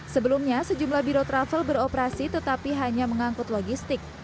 sebelumnya sejumlah biro travel beroperasi tetapi hanya mengangkut logistik